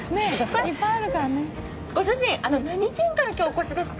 ご主人、何県から今日はお越しですか？